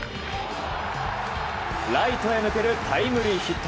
ライトへ抜けるタイムリーヒット。